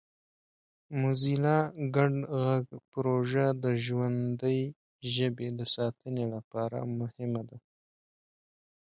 موزیلا ګډ غږ پروژه د ژوندۍ ژبې د ساتنې لپاره مهمه ده.